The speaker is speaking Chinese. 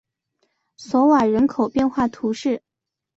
索瓦人口变化图示